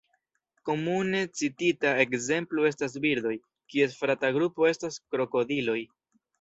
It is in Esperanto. Komune citita ekzemplo estas birdoj, kies frata grupo estas krokodiloj.